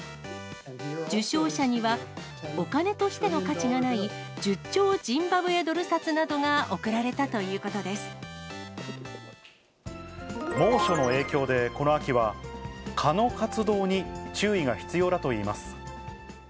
受賞者には、お金としての価値がない十兆ジンバブエドル札などが贈られたとい猛暑の影響でこの秋は、蚊の活動に注意が必要だといいます。